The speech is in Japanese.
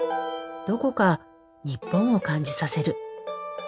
どこか日本を感じさせる。